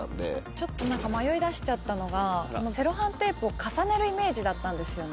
ちょっと迷いだしちゃったのがセロハンテープを重ねるイメージだったんですよね。